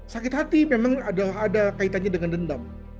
sakit hati memang ada kaitannya dengan dendam